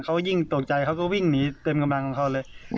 เขายิ่งตกใจเขาก็วิ่งหนีเต็มกำลังของเขาเลย